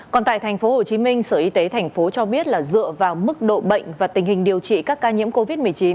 còn tại tp hcm sở y tế tp cho biết là dựa vào mức độ bệnh và tình hình điều trị các ca nhiễm covid một mươi chín